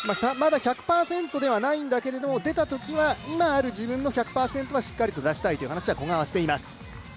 まだ１００％ではないんだけれども、出たときは今ある自分の１００％をしっかりと出したいという話を古賀はしています。